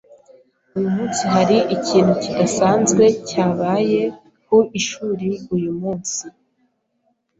Uyu munsi, hari ikintu kidasanzwe cyabaye ku ishuri uyu munsi?